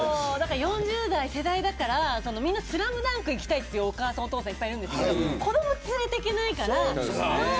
４０代も世代だからスラムダンクいきたいというお母さんお父さんいっぱいいるんですけど子ども連れていけないから。